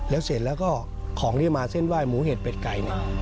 แล้วเสร็จแล้วก็ของที่จะมาเส้นไหว้หมูเห็ดเป็ดไก่เนี่ย